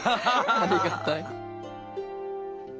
ありがたい。